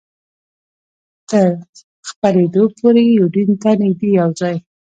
تر خپرېدو پورې یوډین ته نږدې یو ځای.